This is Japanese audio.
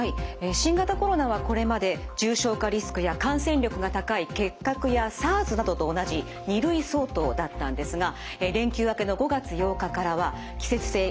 新型コロナはこれまで重症化リスクや感染力が高い結核やＳＡＲＳなどと同じ２類相当だったんですが連休明けの５月８日からは季節性インフルエンザ